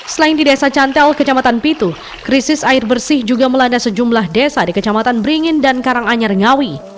selain di desa cantel kecamatan pitu krisis air bersih juga melanda sejumlah desa di kecamatan beringin dan karanganyar ngawi